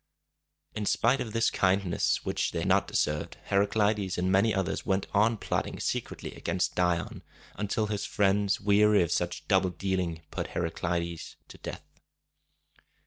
In spite of this kindness, which they had not deserved, Heraclides and many others went on plotting secretly against Dion, until his friends, weary of such double dealing, put Heraclides to death.